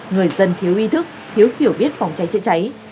người dân thiếu ý thức thiếu hiểu biết phòng cháy chữa cháy